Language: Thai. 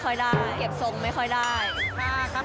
ข้าตัวไหม